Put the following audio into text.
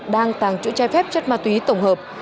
đang tàng trữ trái phép chất ma túy tổng hợp